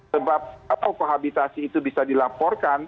sebab pohabitasi itu bisa dilaporkan